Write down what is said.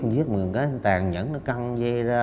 giết mình cái tàn nhẫn nó căng dây ra